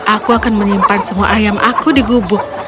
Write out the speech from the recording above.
aku akan menyimpan semua ayam aku di gubuk